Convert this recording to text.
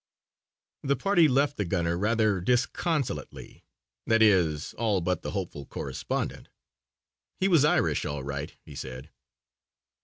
The party left the gunner rather disconsolately. That is, all but the hopeful correspondent. "He's Irish, all right," he said.